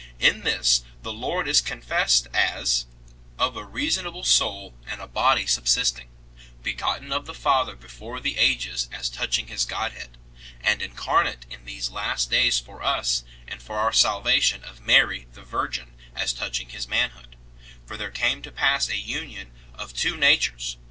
In this the Lord is confessed as "of a reasonable soul and a body subsisting ; begotten of the Father before the ages as touching His Godhead, and incarnate in these last days for us and for our salvation of Mary the Virgin as touching His Manhood; for there came to pass a union of two natures....